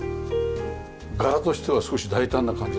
柄としては少し大胆な感じがするけど。